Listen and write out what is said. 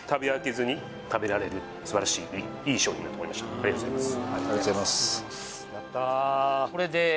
ありがとうございます